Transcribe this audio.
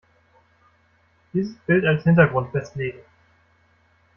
Dieses Bild als Hintergrund festlegen.